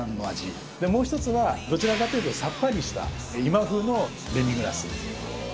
もう１つはどちらかというとさっぱりした今風のデミグラス。